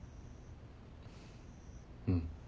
うん。